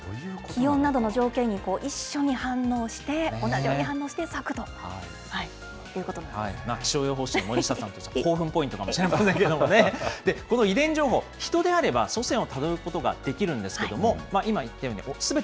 気温などの条件に一緒に反応して、同じように反応して咲くと気象予報士の森下さんとしては、興奮ポイントかもしれませんが、この遺伝情報、ヒトであれば祖先をたどることができるんですけれども、今言ったように、すべ